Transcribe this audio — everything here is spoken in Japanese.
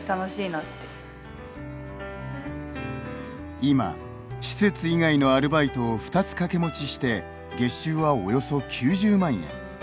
今、施設以外のアルバイトを２つ掛け持ちして月収はおよそ９０万円。